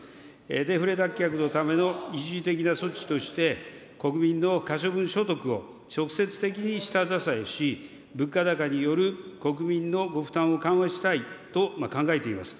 デフレ脱却のための一時的な措置として、国民の可処分所得を直接的に下支えし、物価高による国民のご負担を緩和したいと考えています。